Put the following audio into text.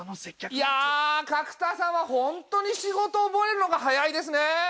いや角田さんはホントに仕事覚えるが早いですね！